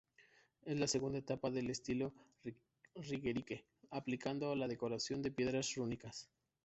Es la segunda etapa del estilo Ringerike aplicado a la decoración de piedras rúnicas.